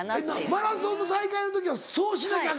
マラソンの大会の時はそうしなきゃアカンの？